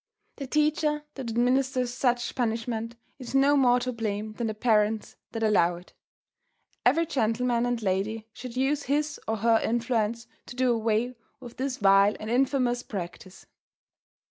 The teacher that administers such punishment is no more to blame than the parents that allow it. Every gentleman and lady should use his or her influence to do away with this vile and infamous practice.